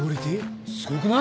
すごくない？